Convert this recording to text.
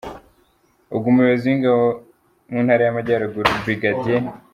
Ubwo Umuyobozi w’Ingabo mu Ntara y’Amajyaruguru, Brig.